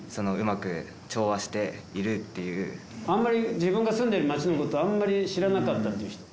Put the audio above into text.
自分が住んでる街のことあんまり知らなかったっていう人。